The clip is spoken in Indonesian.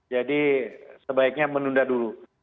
jadi sebaiknya menunda dulu